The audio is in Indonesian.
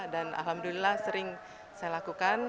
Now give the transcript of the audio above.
dan alhamdulillah sering saya lakukan